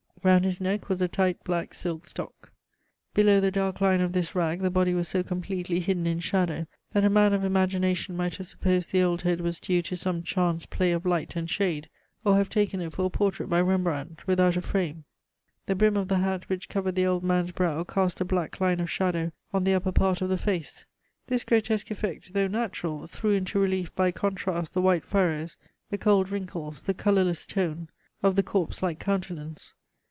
Round his neck was a tight black silk stock. Below the dark line of this rag the body was so completely hidden in shadow that a man of imagination might have supposed the old head was due to some chance play of light and shade, or have taken it for a portrait by Rembrandt, without a frame. The brim of the hat which covered the old man's brow cast a black line of shadow on the upper part of the face. This grotesque effect, though natural, threw into relief by contrast the white furrows, the cold wrinkles, the colorless tone of the corpse like countenance.